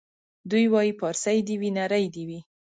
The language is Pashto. دی وايي پارسۍ دي وي نرۍ دي وي